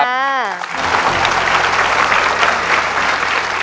ขอต้อนรับขอบใจ